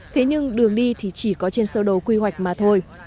thế nhưng đường đi thì chỉ có trên sơ đồ quy hoạch mà thôi